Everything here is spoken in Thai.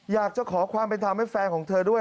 อยากจะขอความเป็นธรรมให้แฟนของเธอด้วย